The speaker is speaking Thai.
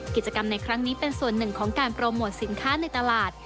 กิจกรรมในครั้งนี้เป็นส่วนหนึ่งของการโปรโมทสินค้าในตลาด